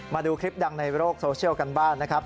มาดูคลิปดังในโลกโซเชียลกันบ้างนะครับ